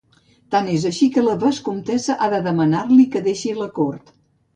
Tant és així que la vescomtessa ha de demanar-li que deixi la cort.